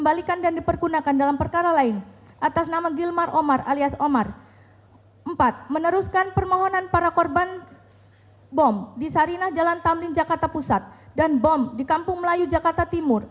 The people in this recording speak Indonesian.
barang bukti yang disita dari tkp peledakan bom jalan tamrin jakarta timur